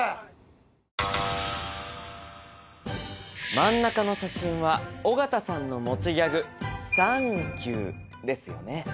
真ん中の写真は尾形さんの持ちギャグ、「さんきゅー」ですよね。